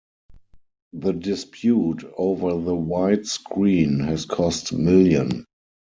The dispute over the wide screen has cost million.